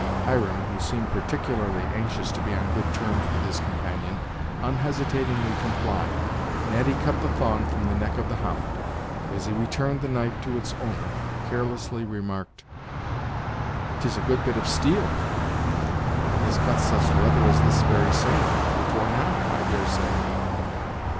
Hiram, who seemed particularly anxious to be on good terms with his companion, unhesitatingly complied. Natty cut the thong from the neck of the hound, and, as he returned the knife to its owner, carelessly remarked: "'Tis a good bit of steel, and has cut such leather as this very same, before now, I dare say."